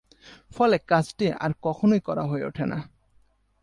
ফলে কাজটি আর কখনোই করা হয়ে ওঠে না।